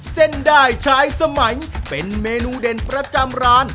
เส้นได้ชายสมัยเป็นเมนูเด่นประจำร้าน